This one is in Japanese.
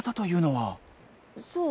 そう。